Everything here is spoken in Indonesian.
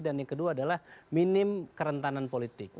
dan yang kedua adalah minim kerentanan politik